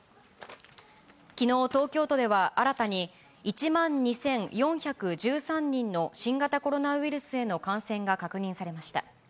きのう、東京都では新たに、１万２４１３人の新型コロナウイルスへの感染が確認されました。